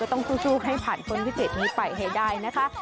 ต้องสู้ให้ผ่านพ้นวิกฤตนี้ไปให้ได้นะคะ